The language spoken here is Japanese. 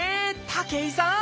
武井さん